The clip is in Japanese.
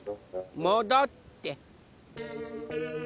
もどって。